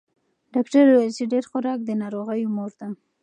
ډاکتر ویل چې ډېر خوراک د ناروغیو مور ده.